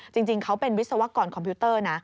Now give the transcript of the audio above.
จริงเขาเป็นวิศวกรคอมพิวเตอร์นะ